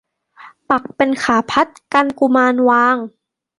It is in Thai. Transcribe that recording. ปักเป็นขาพัดกันกุมารวาง